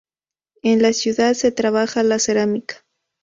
En la ciudad se trabaja la cerámica.